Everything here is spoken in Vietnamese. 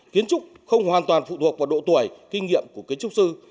kiến trúc không hoàn toàn phụ thuộc vào độ tuổi kinh nghiệm của kiến trúc sư